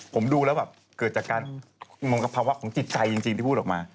ผมดูแล้วแบบเกิดจากการมงกภาวะของจิตใจจริงที่พูดออกมา